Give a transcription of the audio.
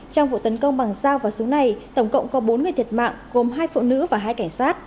trong vụ tấn công bằng dao và súng này tổng cộng có bốn người thiệt mạng gồm hai phụ nữ và hai cảnh sát